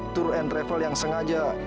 tour and travel yang sengaja